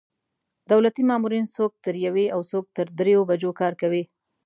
دولتي مامورین څوک تر یوې او څوک تر درېیو بجو کار کوي.